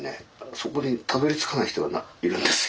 そこにたどりつかない人がいるんですよ。